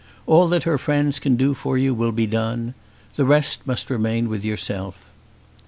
All that her friends can do for you will be done. The rest must remain with yourself."